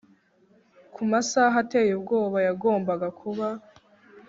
kumasaha ateye ubwoba yagombaga kuba